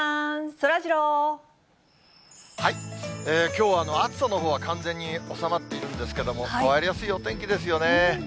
きょうは暑さのほうは完全に収まっているんですけども、変わりやすいお天気ですよね。